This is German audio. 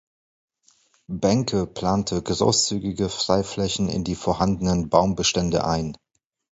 Benque plante großzügige Freiflächen in die vorhandenen Baumbestände ein.